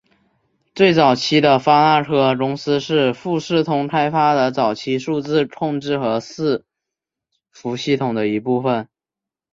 最早期的发那科公司是富士通开发的早期数字控制和伺服系统的一部分。